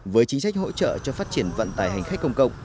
với chính sách hỗ trợ cho phát triển vận tải hành khách công cộng